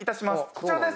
こちらです！